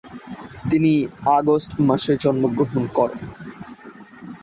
তিনি আগস্ট মাসে জন্মগ্রহণ করেন।